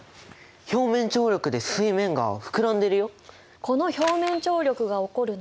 表面張力で水面が膨らんでるよ！